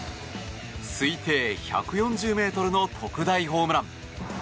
推定１４０ｍの特大ホームラン。